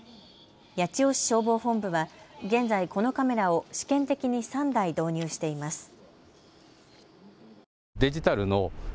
八千代市消防本部は現在このカメラを試験的に３台導入しています。